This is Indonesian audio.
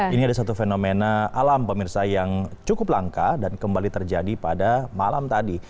ini ada satu fenomena alam pemirsa yang cukup langka dan kembali terjadi pada malam tadi